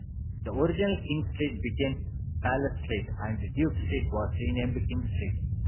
The original King Street became Palace Street, and Duke Street was renamed King Street.